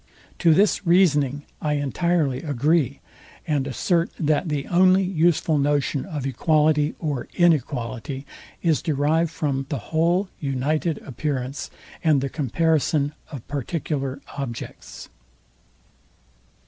To this reasoning, I entirely agree; and assert, that the only useful notion of equality, or inequality, is derived from the whole united appearance and the comparison of particular objects.